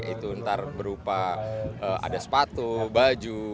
itu ntar berupa ada sepatu baju